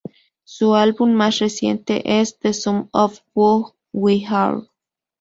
Su álbum más reciente es "The Sum Of Who We Are".